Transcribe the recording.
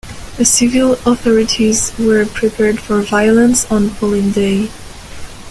The civil authorities were prepared for violence on polling day.